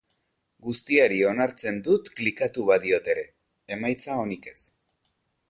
Guztiari onartzen dut klikatu badiot ere, emaitza onik ez.